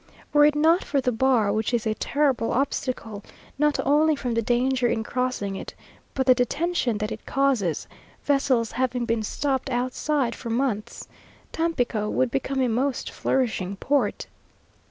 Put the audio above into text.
Were it not for the bar, which is a terrible obstacle, not only from the danger in crossing it, but the detention that it causes, vessels having been stopped outside for months, Tampico would become a most flourishing port.